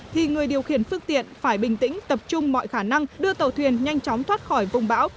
thì người điều khiển phương tiện phải bình tĩnh tập trung mọi khả năng đưa tàu thuyền nhanh chóng thoát khỏi vùng bão